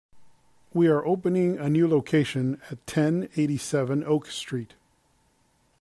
We are opening the a new location at ten eighty-seven Oak Street.